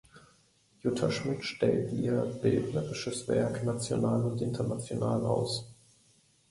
Jutta Schmitt stellt ihr bildnerisches Werk national und international aus.